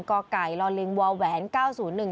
ก่อไก่ลอนลิงวอแหวน๙๐๑